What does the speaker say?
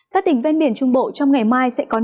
các tỉnh ven biển trung bộ trong ngày mai sẽ có nắng